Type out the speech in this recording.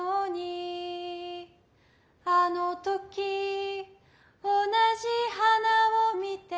「あのとき同じ花を見て」